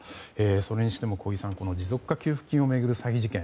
それにしても小木さん持続化給付金を巡る詐欺事件